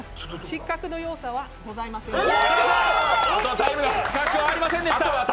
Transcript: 失格の要素はございません。